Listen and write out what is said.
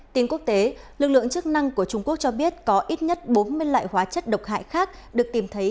tin quốc tế lực lượng chức năng của trung quốc cho biết có ít nhất bốn mươi loại hóa chất độc hại khác được tìm thấy